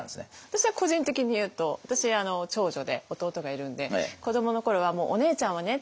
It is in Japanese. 私は個人的に言うと私長女で弟がいるんで子どもの頃は「お姉ちゃんはね」